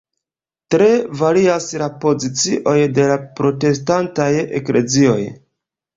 Tre varias la pozicioj de la protestantaj Eklezioj.